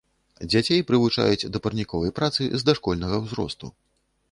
Дзяцей прывучаюць да парніковай працы з дашкольнага ўзросту.